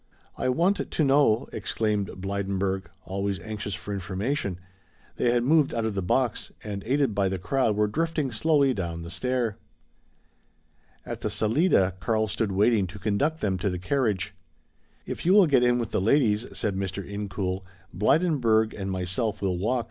"I want to know " exclaimed Blydenburg, always anxious for information. They had moved out of the box and aided by the crowd were drifting slowly down the stair. At the salida Karl stood waiting to conduct them to the carriage. "If you will get in with the ladies," said Mr. Incoul, "Blydenburg and myself will walk.